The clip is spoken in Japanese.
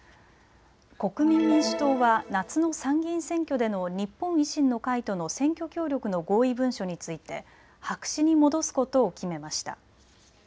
国民民主党は夏の参議院選挙での日本維新の会との選挙協力の合意文書について白紙に戻すことを決めました。